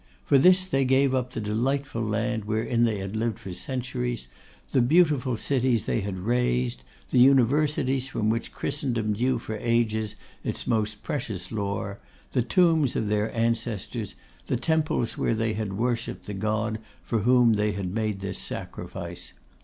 For this they gave up the delightful land wherein they had lived for centuries, the beautiful cities they had raised, the universities from which Christendom drew for ages its most precious lore, the tombs of their ancestors, the temples where they had worshipped the God for whom they had made this sacrifice.